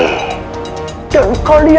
dan kalian pasti akan melihat